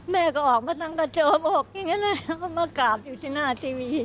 แม่ก็ออกมานั่งกระเจิมบอกอย่างนี้เลยแล้วก็มากราบอยู่ที่หน้าทีวี